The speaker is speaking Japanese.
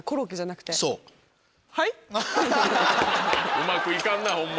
うまく行かんなホンマ。